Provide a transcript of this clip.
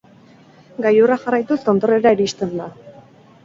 Gailurra jarraituz, tontorrera iristen da.